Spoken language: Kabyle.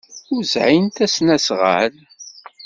Ur sɛint asnasɣal.